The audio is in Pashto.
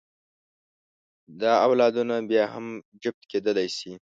دا اولادونه بیا هم جفت کېدلی شي.